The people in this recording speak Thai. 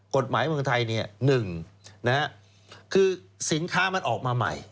กฎหมายเมืองไทยเนี่ยหนึ่งนะฮะคือสินค้ามันออกมาใหม่